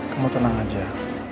kamu tenang saja